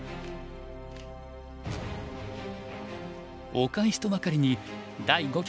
お返しとばかりに第五局